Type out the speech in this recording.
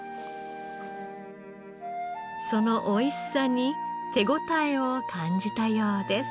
そのおいしさに手応えを感じたようです。